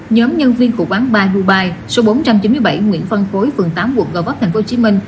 nhóm nhân viên của quán bay dubai số bốn trăm chín mươi bảy nguyễn phân khối phường tám quận gò vấp tp hcm